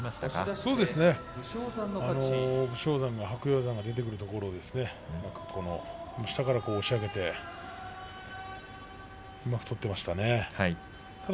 そうですね武将山、白鷹山が出てくるところを下から押し上げてうまく取っていましたね。